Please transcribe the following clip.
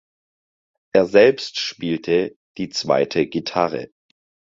Er selbst spielte die zweite Gitarre.